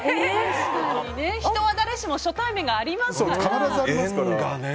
人は誰しも初対面がありますからね。